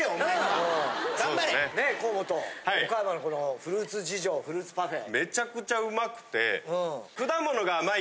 ねえ河本岡山のこのフルーツ事情フルーツパフェ。